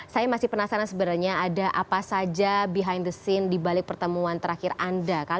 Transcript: saya masih penasaran sebenarnya ada apa saja behind the scene dibalik pertemuan terakhir anda